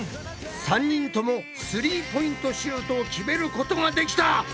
３人ともスリーポイントシュートを決めることができた！ということで！